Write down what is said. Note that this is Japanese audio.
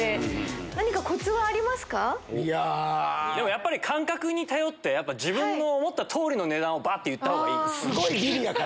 やっぱり感覚に頼って自分の思った通りの値段を行ったほうがいいです。